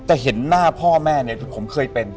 แต่เห็นหน้าพ่อแม่เนี่ยผมเคยเป็น